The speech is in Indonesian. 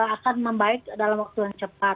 akan membaik dalam waktu yang cepat